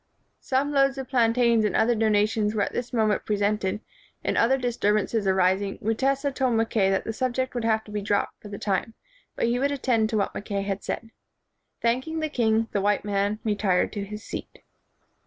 " Some loads of plantains and other dona tions were at this moment presented, and other disturbances arising, Mutesa told Mackay that the subject would have to be dropped for the time, but he would attend to what Mackay had said. Thanking the king, the white man retired to his seat.